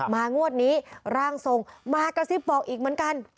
งวดนี้ร่างทรงมากระซิบบอกอีกเหมือนกัน